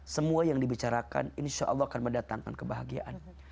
semua yang dibicarakan insya allah akan mendatangkan kebahagiaan